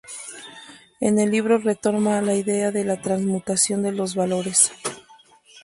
En el libro retoma la idea de la transmutación de los valores.